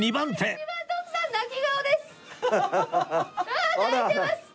ああ泣いてます！